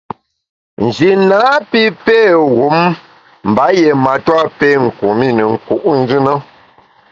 Nji napi pé wum mba yié matua pé kum i ne nku’njù na.